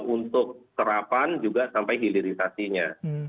untuk terapan juga sampai hilirisasinya